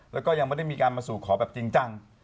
แล้วก็ยังไม่ได้มีการมาสู่ขอแบบจริงจัง